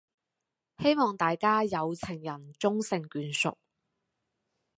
希望大家「有情人終成眷屬」